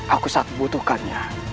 aku sangat membutuhkannya